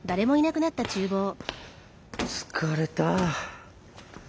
疲れた。